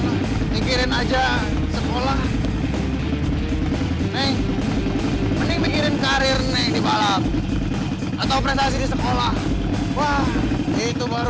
mikirin aja sekolah mending mikirin karir neng di balap atau prestasi di sekolah wah itu baru